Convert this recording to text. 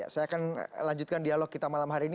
saya akan lanjutkan dialog kita malam hari ini